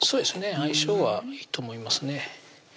相性はいいと思いますね